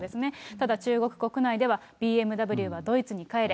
ただ中国国内では、ＢＭＷはドイツに帰れ。